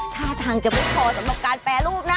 ท่าทางจะไม่พอสำหรับการแปรรูปนะ